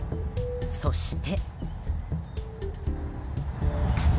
そして。